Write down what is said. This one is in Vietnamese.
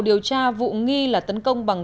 điều tra vụ nghi là tấn công bằng